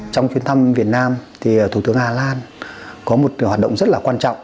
trong chuyến thăm việt nam thủ tướng hà lan có một hoạt động rất quan trọng